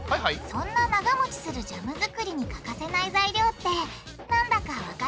そんな長もちするジャム作りに欠かせない材料ってなんだかわかりますか？